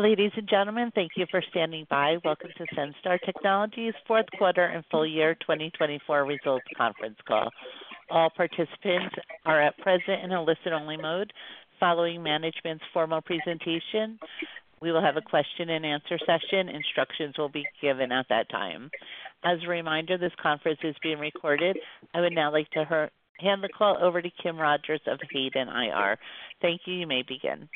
Ladies and gentlemen, thank you for standing by. Welcome to Senstar Technologies' fourth quarter and full year 2024 results conference call. All participants are at present in a listen-only mode. Following management's formal presentation, we will have a question-and-answer session. Instructions will be given at that time. As a reminder, this conference is being recorded. I would now like to hand the call over to Kim Rogers of Hayden IR. Thank you. You may begin.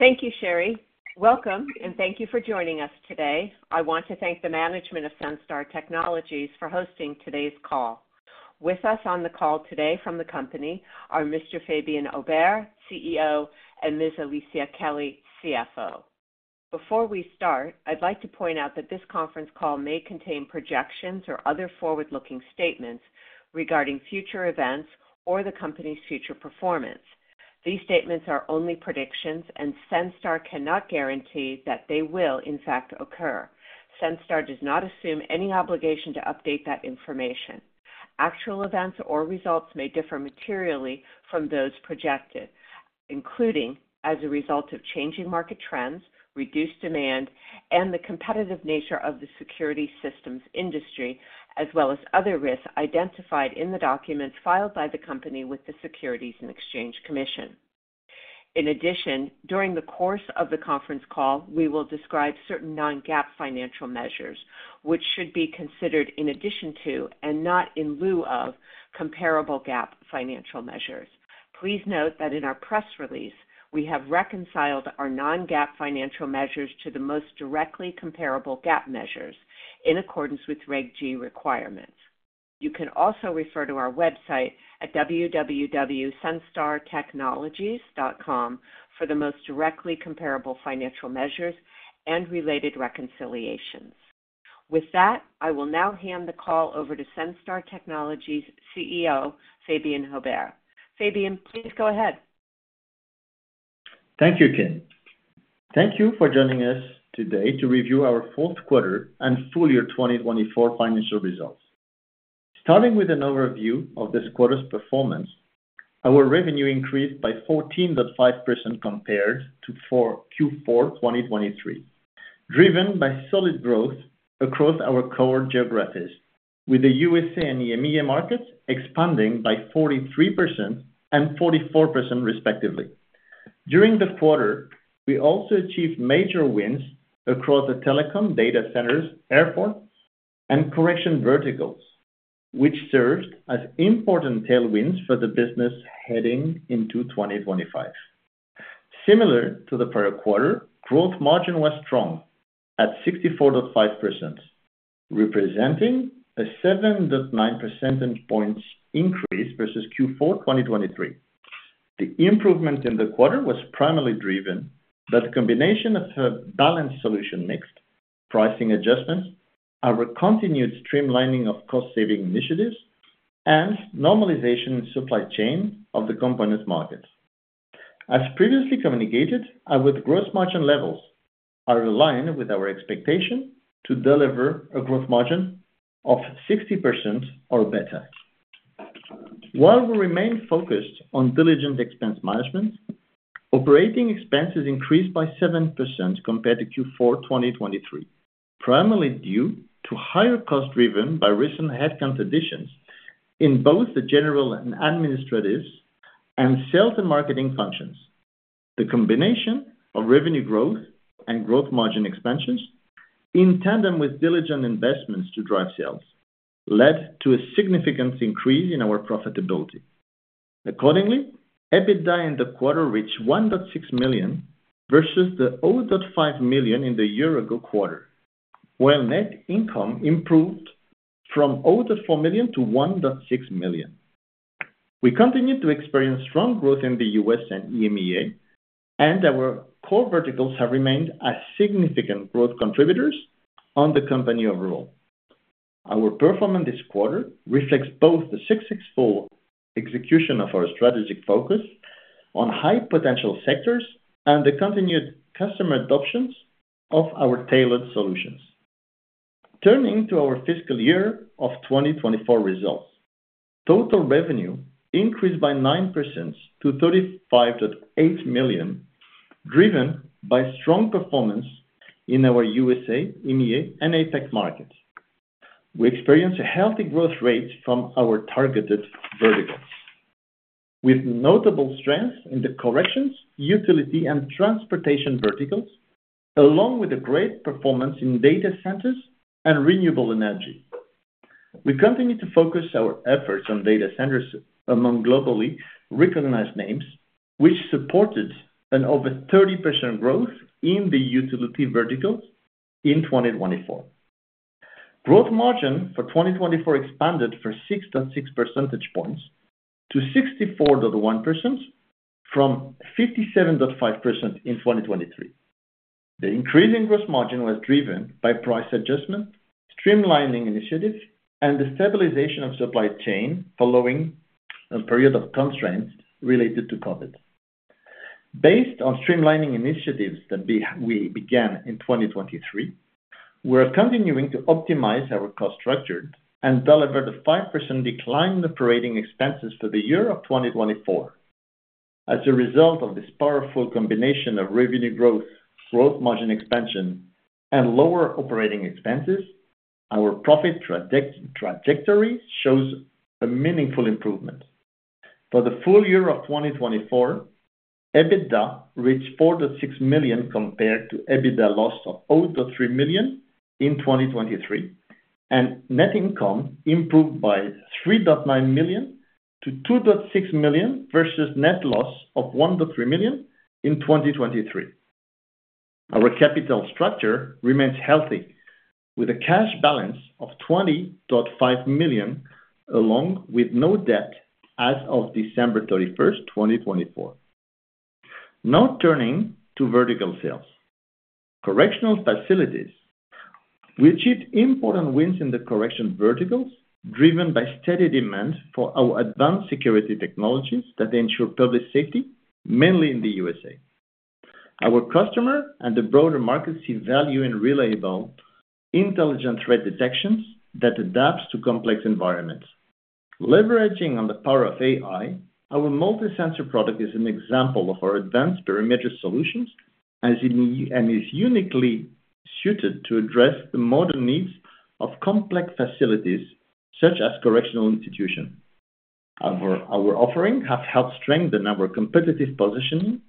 Thank you, Sherry. Welcome, and thank you for joining us today. I want to thank the management of Senstar Technologies for hosting today's call. With us on the call today from the company are Mr. Fabien Haubert, CEO, and Ms. Alicia Kelly, CFO. Before we start, I'd like to point out that this conference call may contain projections or other forward-looking statements regarding future events or the company's future performance. These statements are only predictions, and Senstar cannot guarantee that they will, in fact, occur. Senstar does not assume any obligation to update that information. Actual events or results may differ materially from those projected, including as a result of changing market trends, reduced demand, and the competitive nature of the security systems industry, as well as other risks identified in the documents filed by the company with the Securities and Exchange Commission. In addition, during the course of the conference call, we will describe certain non-GAAP financial measures, which should be considered in addition to, and not in lieu of, comparable GAAP financial measures. Please note that in our press release, we have reconciled our non-GAAP financial measures to the most directly comparable GAAP measures in accordance with Reg G requirements. You can also refer to our website at www.senstar.com for the most directly comparable financial measures and related reconciliations. With that, I will now hand the call over to Senstar Technologies' CEO, Fabien Haubert. Fabien, please go ahead. Thank you, Kim. Thank you for joining us today to review our fourth quarter and full year 2024 financial results. Starting with an overview of this quarter's performance, our revenue increased by 14.5% compared to Q4 2023, driven by solid growth across our core geographies, with the U.S. and EMEA markets expanding by 43% and 44%, respectively. During the quarter, we also achieved major wins across the telecom, data centers, airports, and correction verticals, which served as important tailwinds for the business heading into 2025. Similar to the prior quarter, gross margin was strong at 64.5%, representing a 7.9 percentage points increase versus Q4 2023. The improvement in the quarter was primarily driven by the combination of a balanced solution mix, pricing adjustments, a continued streamlining of cost-saving initiatives, and normalization in the supply chain of the component markets. As previously communicated, our gross margin levels are aligned with our expectation to deliver a gross margin of 60% or better. While we remain focused on diligent expense management, operating expenses increased by 7% compared to Q4 2023, primarily due to higher costs driven by recent headcount additions in both the general and administrative and sales and marketing functions. The combination of revenue growth and gross margin expansions, in tandem with diligent investments to drive sales, led to a significant increase in our profitability. Accordingly, EBITDA in the quarter reached $1.6 million versus the $0.5 million in the year-ago quarter, while net income improved from $0.4 million to $1.6 million. We continue to experience strong growth in the U.S. and EMEA, and our core verticals have remained significant growth contributors on the company overall. Our performance this quarter reflects both the successful execution of our strategic focus on high-potential sectors and the continued customer adoptions of our tailored solutions. Turning to our fiscal year 2024 results, total revenue increased by 9% to $35.8 million, driven by strong performance in our U.S.A., EMEA, and APAC markets. We experienced a healthy growth rate from our targeted verticals, with notable strengths in the corrections, utility, and transportation verticals, along with a great performance in data centers and renewable energy. We continue to focus our efforts on data centers among globally recognized names, which supported an over 30% growth in the utility verticals in 2024. Gross margin for 2024 expanded for 6.6 percentage points to 64.1% from 57.5% in 2023. The increase in gross margin was driven by price adjustment, streamlining initiatives, and the stabilization of the supply chain following a period of constraints related to COVID. Based on streamlining initiatives that we began in 2023, we are continuing to optimize our cost structure and deliver the 5% decline in operating expenses for the year of 2024. As a result of this powerful combination of revenue growth, gross margin expansion, and lower operating expenses, our profit trajectory shows a meaningful improvement. For the full year of 2024, EBITDA reached $4.6 million compared to EBITDA loss of $0.3 million in 2023, and net income improved by $3.9 million to $2.6 million versus net loss of $1.3 million in 2023. Our capital structure remains healthy, with a cash balance of $20.5 million, along with no debt as of December 31st, 2024. Now turning to vertical sales, correctional facilities. We achieved important wins in the correction verticals, driven by steady demand for our advanced security technologies that ensure public safety, mainly in the U.S.A. Our customers and the broader market see value in reliable, intelligent threat detections that adapt to complex environments. Leveraging on the power of AI, our Multi-Sensor product is an example of our advanced perimeter solutions, and is uniquely suited to address the modern needs of complex facilities such as correctional institutions. Our offerings have helped strengthen our competitive positioning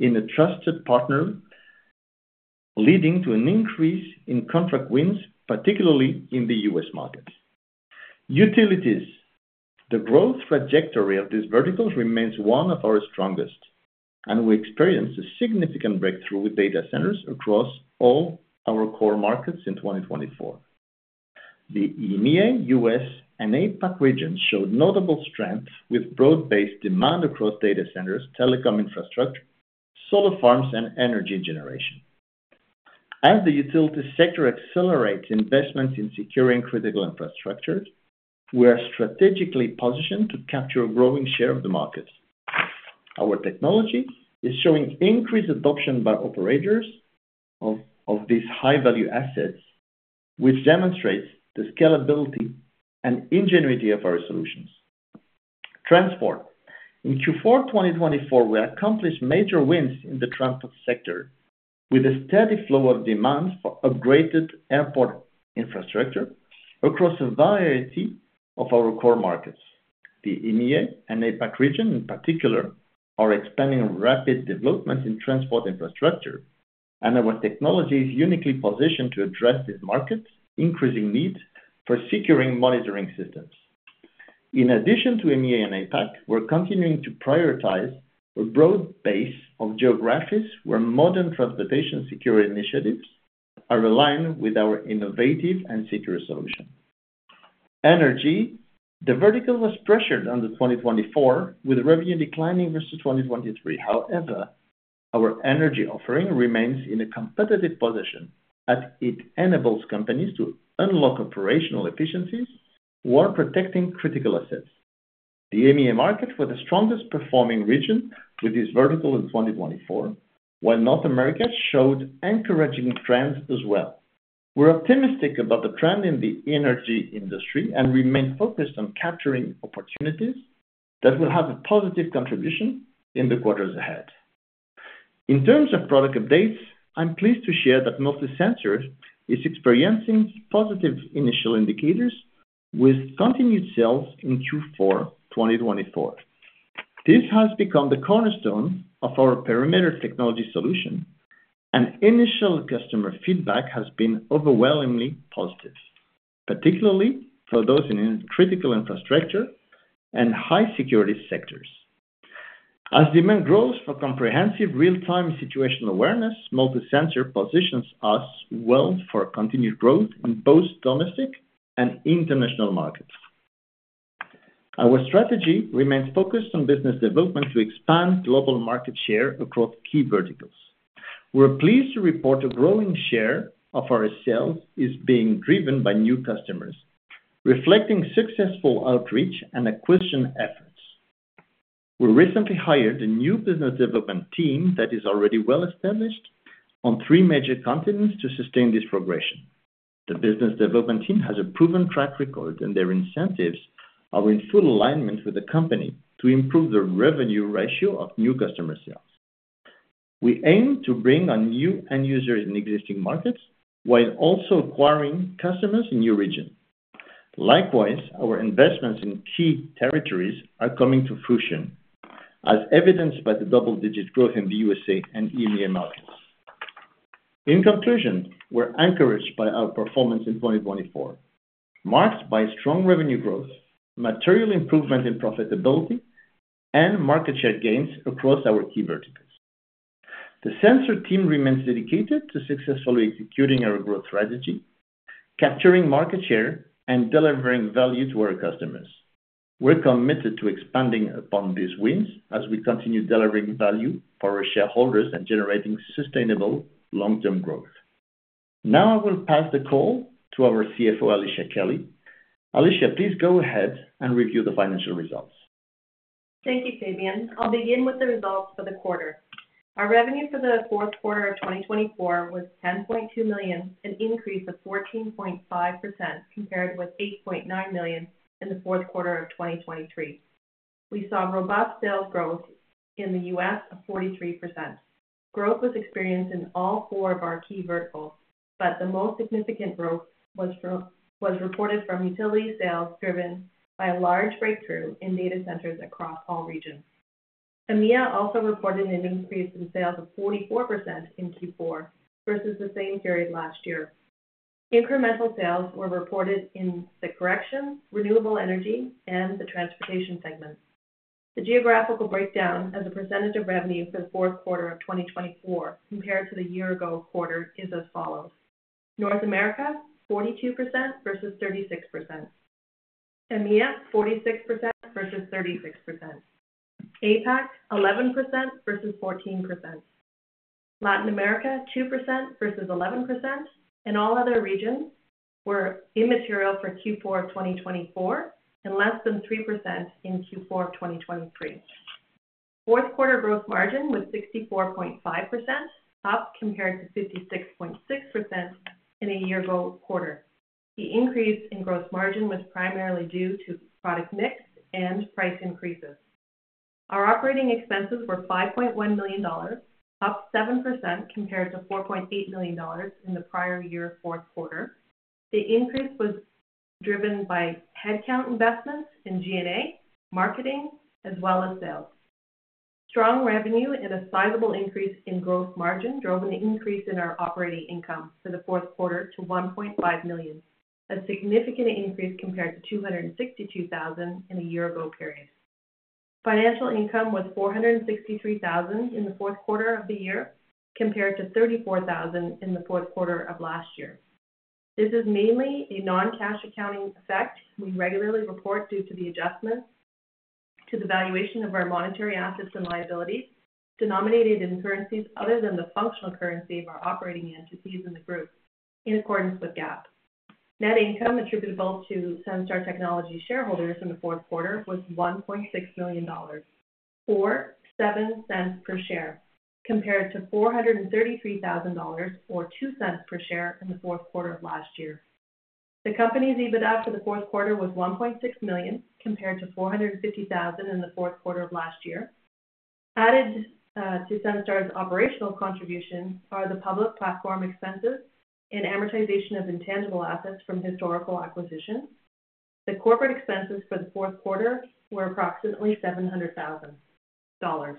as a trusted partner, leading to an increase in contract wins, particularly in the U.S. market. Utilities, the growth trajectory of these verticals remains one of our strongest, and we experienced a significant breakthrough with data centers across all our core markets in 2024. The EMEA, U.S., and APAC regions showed notable strength with broad-based demand across data centers, telecom infrastructure, solar farms, and energy generation. As the utility sector accelerates investments in securing critical infrastructure, we are strategically positioned to capture a growing share of the markets. Our technology is showing increased adoption by operators of these high-value assets, which demonstrates the scalability and ingenuity of our solutions. Transport, in Q4 2024, we accomplished major wins in the transport sector with a steady flow of demand for upgraded airport infrastructure across a variety of our core markets. The EMEA and APAC region, in particular, are expanding rapid development in transport infrastructure, and our technology is uniquely positioned to address these markets' increasing needs for securing monitoring systems. In addition to EMEA and APAC, we're continuing to prioritize a broad base of geographies where modern transportation security initiatives are aligned with our innovative and secure solution. Energy, the vertical was pressured under 2024 with revenue declining versus 2023. However, our energy offering remains in a competitive position as it enables companies to unlock operational efficiencies while protecting critical assets. The EMEA market was the strongest-performing region with this vertical in 2024, while North America showed encouraging trends as well. We're optimistic about the trend in the energy industry and remain focused on capturing opportunities that will have a positive contribution in the quarters ahead. In terms of product updates, I'm pleased to share that Multi-Sensor is experiencing positive initial indicators with continued sales in Q4 2024. This has become the cornerstone of our perimeter technology solution, and initial customer feedback has been overwhelmingly positive, particularly for those in critical infrastructure and high-security sectors. As demand grows for comprehensive real-time situational awareness, Multi-Sensor positions us well for continued growth in both domestic and international markets. Our strategy remains focused on business development to expand global market share across key verticals. We're pleased to report a growing share of our sales is being driven by new customers, reflecting successful outreach and acquisition efforts. We recently hired a new business development team that is already well-established on three major continents to sustain this progression. The business development team has a proven track record, and their incentives are in full alignment with the company to improve the revenue ratio of new customer sales. We aim to bring on new end users in existing markets while also acquiring customers in new regions. Likewise, our investments in key territories are coming to fruition, as evidenced by the double-digit growth in the U.S.A. and EMEA markets. In conclusion, we're encouraged by our performance in 2024, marked by strong revenue growth, material improvement in profitability, and market share gains across our key verticals. The Senstar team remains dedicated to successfully executing our growth strategy, capturing market share, and delivering value to our customers. We're committed to expanding upon these wins as we continue delivering value for our shareholders and generating sustainable long-term growth. Now I will pass the call to our CFO, Alicia Kelly. Alicia, please go ahead and review the financial results. Thank you, Fabien. I'll begin with the results for the quarter. Our revenue for the fourth quarter of 2024 was $10.2 million, an increase of 14.5% compared with $8.9 million in the fourth quarter of 2023. We saw robust sales growth in the U.S. of 43%. Growth was experienced in all four of our key verticals, but the most significant growth was reported from utility sales driven by a large breakthrough in data centers across all regions. EMEA also reported an increase in sales of 44% in Q4 versus the same period last year. Incremental sales were reported in the correction, renewable energy, and the transportation segment. The geographical breakdown as a percentage of revenue for the fourth quarter of 2024 compared to the year-ago quarter is as follows: North America, 42% versus 36%. EMEA, 46% versus 36%. APAC, 11% versus 14%. Latin America, 2% versus 11%, and all other regions were immaterial for Q4 2024 and less than 3% in Q4 2023. Fourth quarter gross margin was 64.5%, up compared to 56.6% in a year-ago quarter. The increase in gross margin was primarily due to product mix and price increases. Our operating expenses were $5.1 million, up 7% compared to $4.8 million in the prior year fourth quarter. The increase was driven by headcount investments in G&A, marketing, as well as sales. Strong revenue and a sizable increase in gross margin drove an increase in our operating income for the fourth quarter to $1.5 million, a significant increase compared to $262,000 in a year-ago period. Financial income was $463,000 in the fourth quarter of the year compared to $34,000 in the fourth quarter of last year. This is mainly a non-cash accounting effect we regularly report due to the adjustments to the valuation of our monetary assets and liabilities denominated in currencies other than the functional currency of our operating entities in the group, in accordance with GAAP. Net income attributable to Senstar Technologies shareholders in the fourth quarter was $1.6 million, or $0.07 per share, compared to $433,000 or $0.02 per share in the fourth quarter of last year. The company's EBITDA for the fourth quarter was $1.6 million, compared to $450,000 in the fourth quarter of last year. Added to Senstar's operational contribution are the public platform expenses and amortization of intangible assets from historical acquisitions. The corporate expenses for the fourth quarter were approximately $700,000.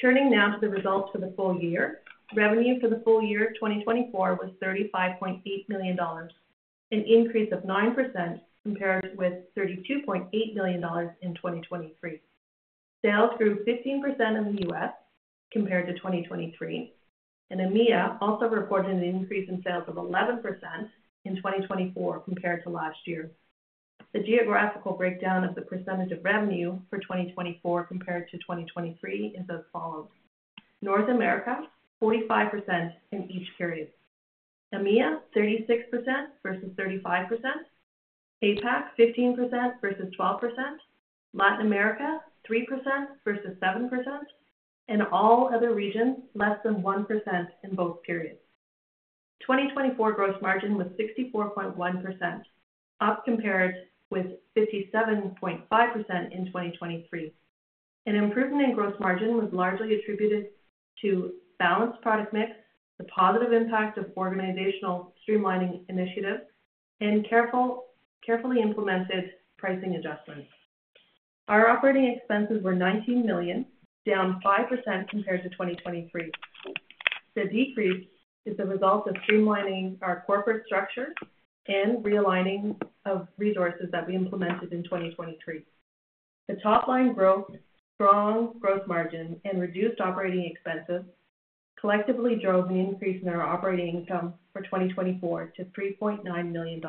Turning now to the results for the full year, revenue for the full year 2024 was $35.8 million, an increase of 9% compared with $32.8 million in 2023. Sales grew 15% in the U.S. compared to 2023, and EMEA also reported an increase in sales of 11% in 2024 compared to last year. The geographical breakdown of the percentage of revenue for 2024 compared to 2023 is as follows: North America, 45% in each period; EMEA, 36% versus 35%; APAC, 15% versus 12%; Latin America, 3% versus 7%; and all other regions, less than 1% in both periods. 2024 gross margin was 64.1%, up compared with 57.5% in 2023. An improvement in gross margin was largely attributed to balanced product mix, the positive impact of organizational streamlining initiatives, and carefully implemented pricing adjustments. Our operating expenses were $19 million, down 5% compared to 2023. The decrease is the result of streamlining our corporate structure and realigning of resources that we implemented in 2023. The top-line growth, strong gross margin, and reduced operating expenses collectively drove an increase in our operating income for 2024 to $3.9 million,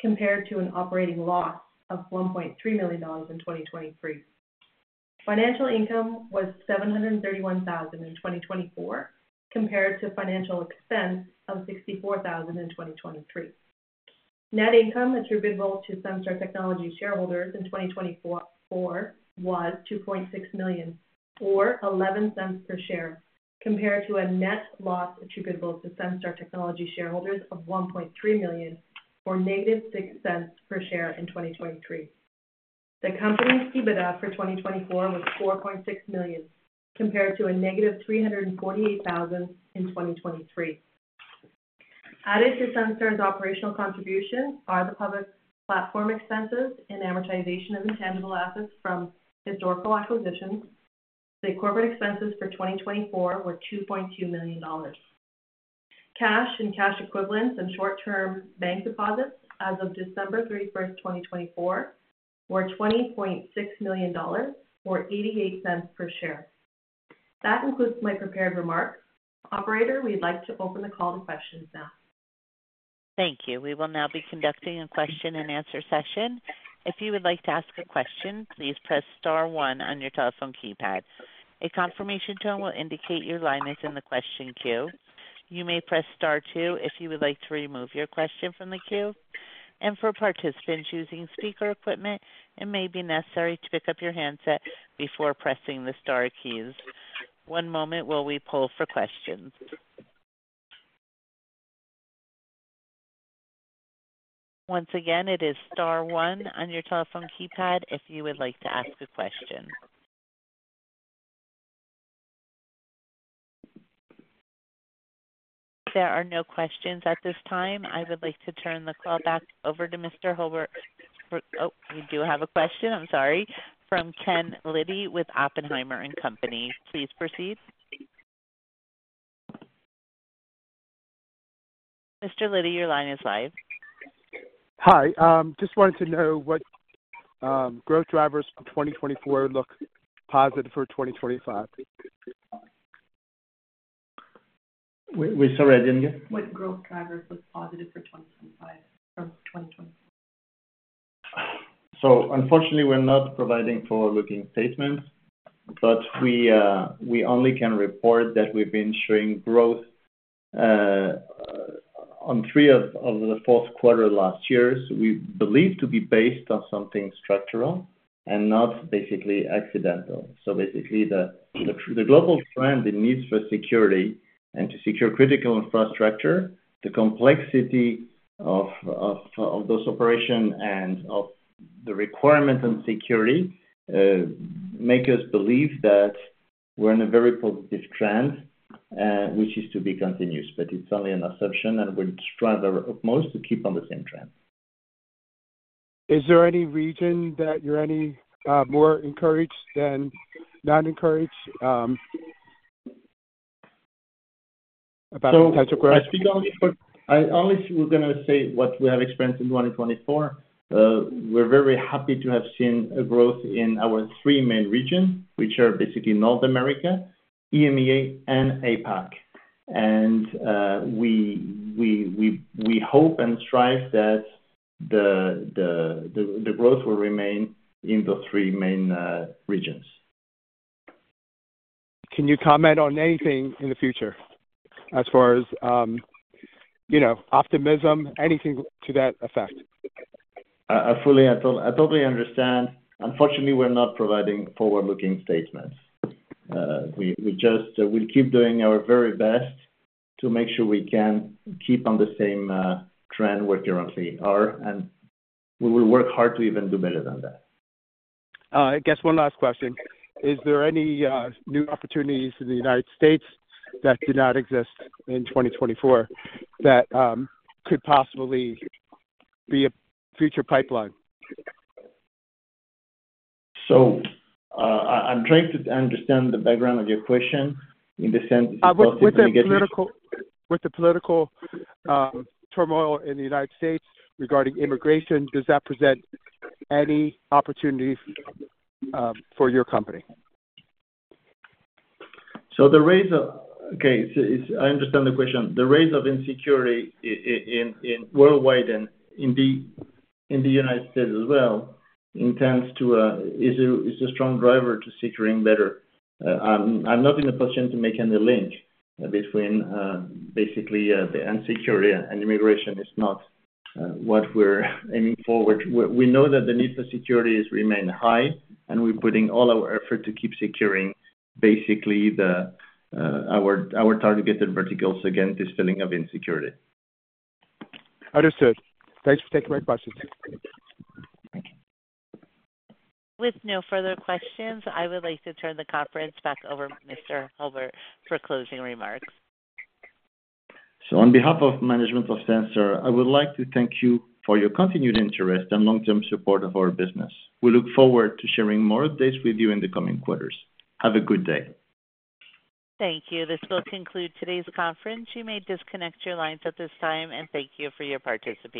compared to an operating loss of $1.3 million in 2023. Financial income was $731,000 in 2024, compared to financial expense of $64,000 in 2023. Net income attributable to Senstar Technologies shareholders in 2024 was $2.6 million, or $0.11 per share, compared to a net loss attributable to Senstar Technologies shareholders of $1.3 million, or negative $0.06 per share in 2023. The company's EBITDA for 2024 was $4.6 million, compared to a negative $348,000 in 2023. Added to Senstar's operational contribution are the public platform expenses and amortization of intangible assets from historical acquisitions. The corporate expenses for 2024 were $2.2 million. Cash and cash equivalents and short-term bank deposits as of December 31st, 2024, were $20.6 million, or $0.88 per share. That concludes my prepared remarks. Operator, we'd like to open the call to questions now. Thank you. We will now be conducting a question-and-answer session. If you would like to ask a question, please press Star one on your telephone keypad. A confirmation tone will indicate your line is in the question queue. You may press Star two if you would like to remove your question from the queue. For participants using speaker equipment, it may be necessary to pick up your handset before pressing the Star keys. One moment while we pull for questions. Once again, it is Star one on your telephone keypad if you would like to ask a question. There are no questions at this time. I would like to turn the call back over to Mr. Aubert. Oh, you do have a question. I'm sorry. From Ken Liddy with Oppenheimer & Company. Please proceed. Mr. Liddy, your line is live. Hi. Just wanted to know what growth drivers for 2024 look positive for 2025? Wait, sorry, I didn't hear. What growth drivers look positive for 2025 from 2024? Unfortunately, we're not providing forward-looking statements, but we only can report that we've been showing growth on three of the fourth quarter last years, we believe to be based on something structural and not basically accidental. Basically, the global trend in need for security and to secure critical infrastructure, the complexity of those operations and of the requirements and security make us believe that we're in a very positive trend, which is to be continuous. It's only an assumption, and we'd strive our utmost to keep on the same trend. Is there any reason that you're any more encouraged than not encouraged about the types of growth? I only was going to say what we have experienced in 2024. We're very happy to have seen a growth in our three main regions, which are basically North America, EMEA, and APAC. We hope and strive that the growth will remain in those three main regions. Can you comment on anything in the future as far as optimism, anything to that effect? I totally understand. Unfortunately, we're not providing forward-looking statements. We'll keep doing our very best to make sure we can keep on the same trend we're currently on, and we will work hard to even do better than that. I guess one last question. Is there any new opportunities in the United States that did not exist in 2024 that could possibly be a future pipeline? I'm trying to understand the background of your question in the sense of immigration. With the political turmoil in the United States regarding immigration, does that present any opportunity for your company? I understand the question. The raise of insecurity worldwide and in the United States as well is a strong driver to securing better. I'm not in a position to make any link between basically the unsecurity and immigration is not what we're aiming for. We know that the need for security has remained high, and we're putting all our effort to keep securing basically our targeted verticals against this feeling of insecurity. Understood. Thanks for taking my questions. With no further questions, I would like to turn the conference back over to Mr. Aubert for closing remarks. On behalf of management of Senstar, I would like to thank you for your continued interest and long-term support of our business. We look forward to sharing more updates with you in the coming quarters. Have a good day. Thank you. This will conclude today's conference. You may disconnect your lines at this time, and thank you for your participation.